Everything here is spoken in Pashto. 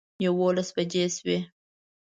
یوولس بجې شوې.